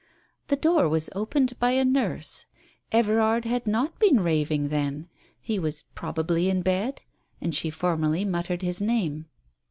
... The door was opened, by a nurse. Everard had not been raving, then I He was probably in bed ?... She formally muttered his name.